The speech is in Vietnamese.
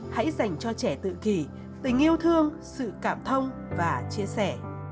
hãy dành cho trẻ tự kỷ tình yêu thương sự cảm thông và chia sẻ